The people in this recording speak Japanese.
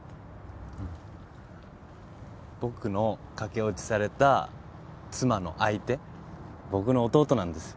僕の駆け落ちされた妻の相手僕の弟なんです